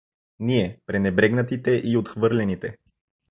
Ние, пренебрегнатите и отхвърлените.